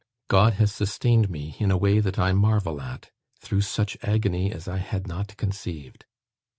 "God has sustained me, in a way that I marvel at, through such agony as I had not conceived.